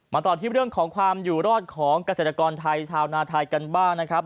ต่อที่เรื่องของความอยู่รอดของเกษตรกรไทยชาวนาไทยกันบ้างนะครับ